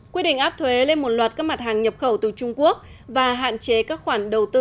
quy định áp thuế lên một loạt các mặt hàng nhập khẩu từ trung quốc và hạn chế các khoản đầu tư